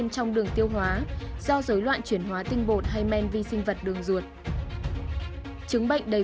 trong đường tiêu hóa do dối loạn chuyển hóa tinh bột hay men vi sinh vật đường ruột chứng bệnh đầy